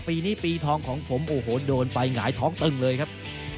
ปีนี้ปีทองของผมโอ้โหโดนไปหงายท้องตึงเลยครับ